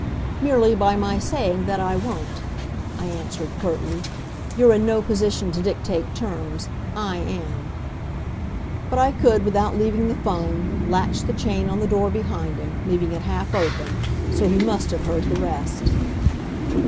"Merely by my saying that I won't," I answered curtly. "You're in no position to dictate terms; I am." But I could, without leaving the 'phone, latch the chain on the door behind him, leaving it half open. So he must have heard the rest.